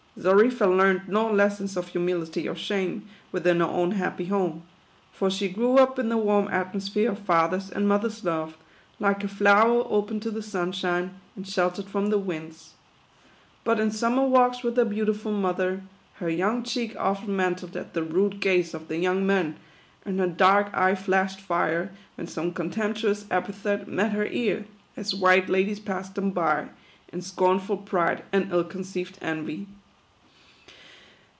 Xarifa learned no lessons of humility or shame, within her own happy home ; for she grew up in the warm atmosphere of father's and mother's love, like a flower open to the sunshine, and sheltered from the winds. But in summer walks with her beautiful mother, her young cheek often mantled at the rude gaze of the young men, and her dark eye flashed fire, when some contemptuous epithet met her ear, as white ladies passed them by, in scornful pride and ill concealed envy.